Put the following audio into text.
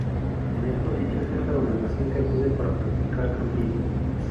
En estos sitios es a donde la gente acude para practicar campismo.